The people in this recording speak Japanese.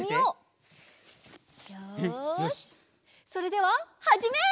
それでははじめい！